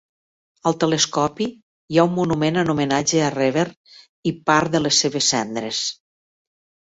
Al telescopi hi ha un monument en homenatge a Reber i part de les seves cendres.